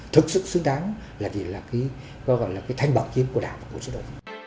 thực sự xứng đáng là cái thanh bảo kiếm của đảng và của chế độ